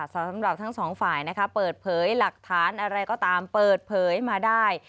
สำหรับทั้งสองฝ่ายนะคะเปิดเผยหลักฐานอะไรก็ตามเปิดเผยมาได้